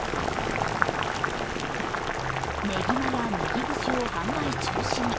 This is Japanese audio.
ねぎまやねぎ串を販売中止に。